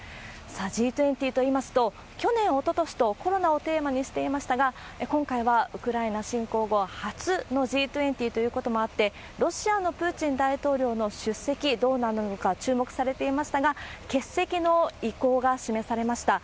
さあ、Ｇ２０といいますと、去年、おととしとコロナをテーマにしていましたが、今回はウクライナ侵攻後初のＧ２０ということもあって、ロシアのプーチン大統領の出席、どうなるのか注目されていましたが、欠席の意向が示されました。